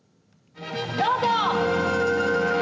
どうぞ。